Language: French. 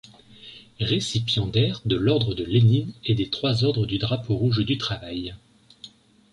Récipiendaire de l'ordre de Lénine et des trois ordres du Drapeau rouge du Travail.